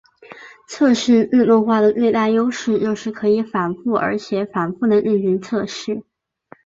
测试自动化的最大优势就是可以快速而且反覆的进行测试。